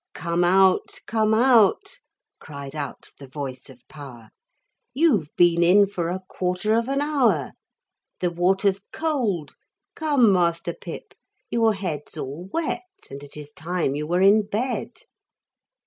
'Come out, come out,' cried out the voice of power, 'You've been in for a quarter of an hour. The water's cold come, Master Pip your head 'S all wet, and it is time you were in bed.'